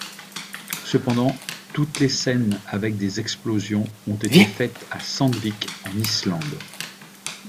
Cependant, toutes les scènes avec des explosions ont été faites à Sandvík en Islande.